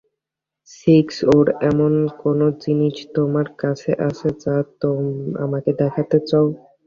Six, ওর এমন কোনো জিনিস তোমার কাছে আছে যা আমাকে দিতে চাও?